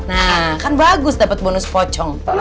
nah kan bagus dapat bonus pocong